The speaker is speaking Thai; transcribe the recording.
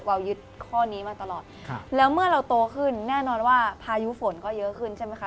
ยึดข้อนี้มาตลอดแล้วเมื่อเราโตขึ้นแน่นอนว่าพายุฝนก็เยอะขึ้นใช่ไหมคะ